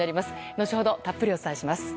後ほどたっぷりお伝えします。